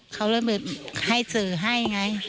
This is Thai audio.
เขาเลยแบบให้สื่อให้ไง